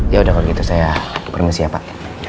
yaudah kalau gitu saya permisi ya pak